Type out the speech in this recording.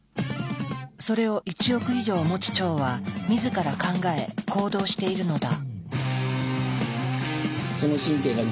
それを１億以上持つ腸は自ら考え行動しているのだ。